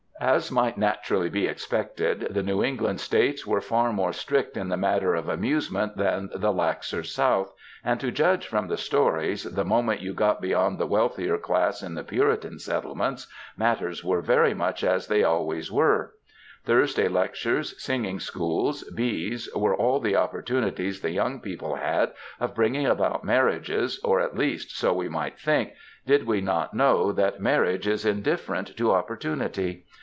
As might naturally be expected, the New England States were far more strict in the matter of amusement than the laxer South, and to judge from the stories, the moment you get beyond the wealthier classes in the Puritan settlements, matters are rery much as they always were. Thursday lectures, singing schools, bees, were all the opportunities the young people had of bringing about marriages, or, at least, so we might think, did we not know that marriage is in different to opportunity!